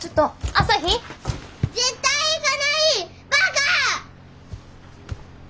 バカ！